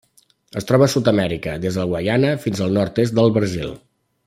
Es troba a Sud-amèrica: des de Guaiana fins al nord-est del Brasil.